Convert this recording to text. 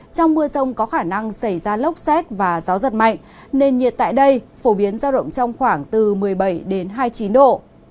trong mưa rông có khả năng xảy ra lốc xét và gió giật mạnh nền nhiệt tại đây phổ biến giao động trong khoảng từ một mươi bảy đến hai mươi chín độ